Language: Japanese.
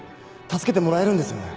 助けてもらえるんですよね